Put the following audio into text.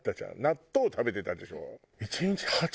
納豆食べてたでしょ。